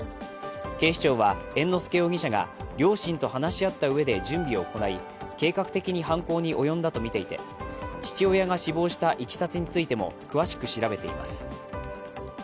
警視庁は猿之助容疑者が両親と話し合ったうえで準備を行い、計画的に犯行に及んだとみていて、父親が死亡したいきさつについても詳しく調べています。